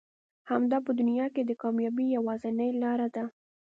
همدا په دنيا کې د کاميابي يوازنۍ لاره ده.